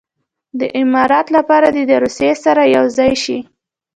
د امارت لپاره دې د روسیې سره یو ځای شي.